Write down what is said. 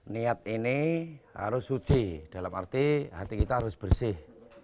niat ini harus suci dalam arti hati kita harus bersih